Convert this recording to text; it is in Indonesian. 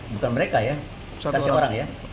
bukan mereka ya kasih orang ya